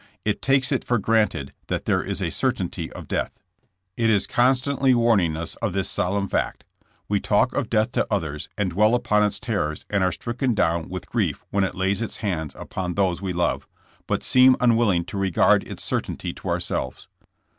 It takes it for granted that there is a certainty of death. It is constantly warning us of this solemn fact. We talk of death to others, and dwell upon its terrors and are stricken down with grief when it lays its hand upon those we love, but seem unwilling to regard its certainty to ourselves.